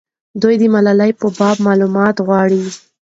دوی د ملالۍ په باب معلومات غواړي.